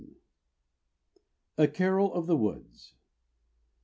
_ A CAROL OF THE WOODS.